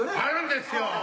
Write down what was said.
あるんですよ。